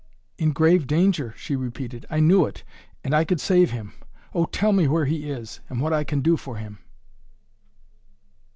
"In grave danger," she repeated. "I knew it! And I could save him! Oh, tell me where he is, and what I can do for him?"